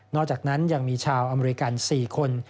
อกจากนั้นยังมีชาวอเมริกัน๔คน